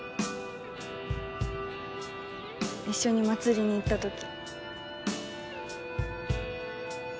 一緒に祭りに行ったとき。